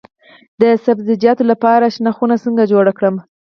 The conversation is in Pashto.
د سبزیجاتو لپاره شنه خونه څنګه جوړه کړم؟